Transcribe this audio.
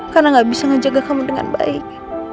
karena gak bisa ngejaga kamu dengan baik